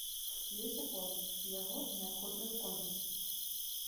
Ёсць закон, і яго неабходна выконваць.